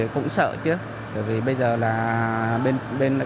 cũng sợ chứ bởi vì bây giờ là bên công chế